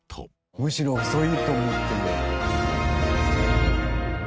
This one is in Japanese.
むしろ遅いと思ってる。